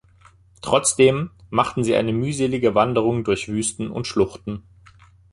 Trotzdem machten sie eine mühselige Wanderung durch Wüsten und Schluchten.